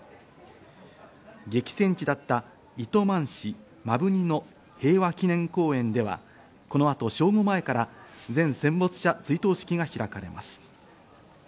激戦地だった糸満市摩文仁の平和祈念公園ではこの後、正午前から全戦没者追悼式が開かれます。